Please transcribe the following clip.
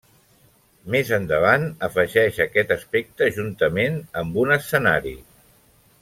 Més endavant afegeix aquest aspecte juntament amb un escenari.